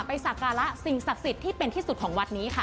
สักการะสิ่งศักดิ์สิทธิ์ที่เป็นที่สุดของวัดนี้ค่ะ